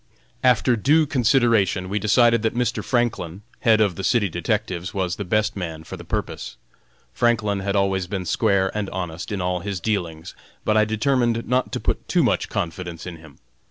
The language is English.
After due consideration, we decided that Mr. Franklin, head of the city detectives, was the best man for the purpose. Franklin had always been square and honest in all his dealings, but I determined not to put too much confidence in him.